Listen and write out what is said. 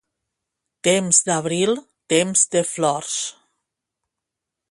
Temps d'abril, temps de flors.